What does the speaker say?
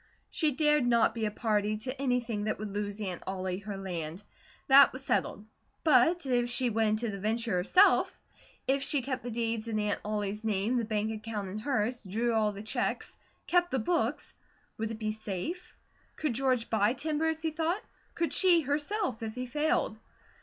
She dared not be a party to anything that would lose Aunt Ollie her land; that was settled; but if she went into the venture herself, if she kept the deeds in Aunt Ollie's name, the bank account in hers, drew all the checks, kept the books, would it be safe? Could George buy timber as he thought; could she, herself, if he failed?